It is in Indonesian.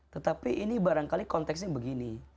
tetapi ini barangkali konteksnya begini